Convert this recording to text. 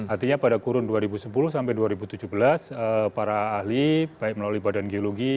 artinya pada kurun dua ribu sepuluh sampai dua ribu tujuh belas para ahli baik melalui badan geologi